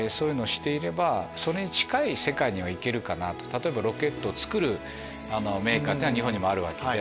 例えばロケットを造るメーカーは日本にもあるわけで。